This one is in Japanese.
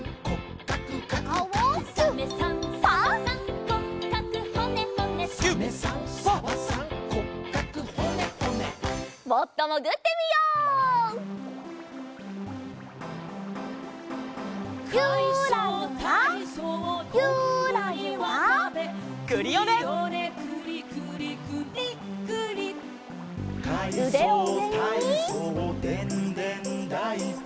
「かいそうたいそうでんでんだいこ」